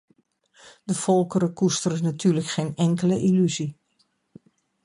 De volkeren koesteren natuurlijk geen enkele illusie.